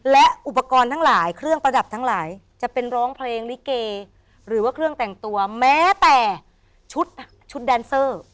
และอุปกรณ์ทั้งหลายเครื่องประดับทั้งหลายจะเป็นร้องเพลงลิเกหรือว่าเครื่องแต่งตัวแม้แต่ชุดแดนเซอร์